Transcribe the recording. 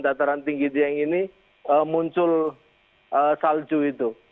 dataran tinggi dieng ini muncul salju itu